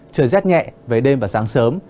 trời rét nhẹ về đêm và sáng sớm